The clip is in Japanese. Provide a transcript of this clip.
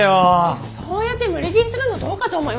そうやって無理強いするのどうかと思いますよ。